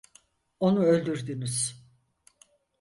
Onu öldürdünüz.